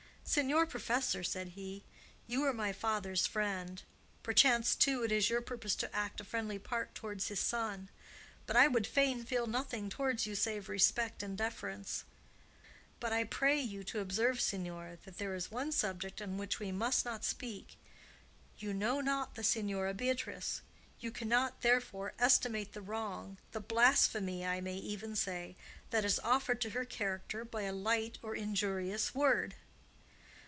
"Signor professor," said he, "you were my father's friend; perchance, too, it is your purpose to act a friendly part towards his son. I would fain feel nothing towards you save respect and deference; but I pray you to observe, signor, that there is one subject on which we must not speak. You know not the Signora Beatrice. You cannot, therefore, estimate the wrong—the blasphemy, I may even say—that is offered to her character by a light or injurious word."